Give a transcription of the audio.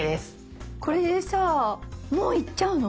これでさぁもういっちゃうの？